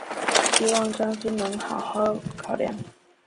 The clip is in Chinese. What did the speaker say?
希望将军能好好考量！